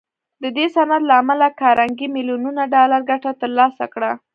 د دې صنعت له امله کارنګي ميليونونه ډالر ګټه تر لاسه کړه.